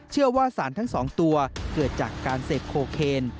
เชื่อว่าสารทั้ง๒ตัวเกิดจากการเสพโคเคน